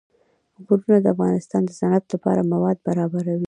غرونه د افغانستان د صنعت لپاره مواد برابروي.